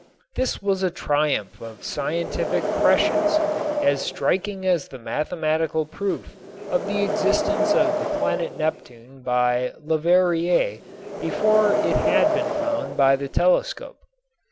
This was a triumph of scientific prescience as striking as the mathematical proof of the existence of the planet Neptune by Leverrier before it had been found by the telescope.